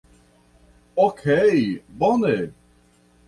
Okej, bone.